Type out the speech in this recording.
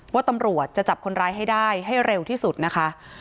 ว่าตำรวจจะจับคนร้ายให้ได้ให้เร็วที่สุดนะคะ